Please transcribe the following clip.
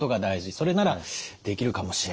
それならできるかもしれないと。